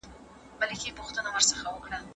که برېښنا نه وي نو موږ تلویزیون نشو لیدلی.